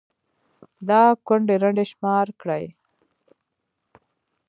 دا كونـډې رنـډې شمار كړئ